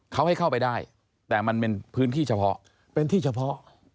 เขาให้เข้าไปได้แต่มันเป็นพื้นที่เฉพาะ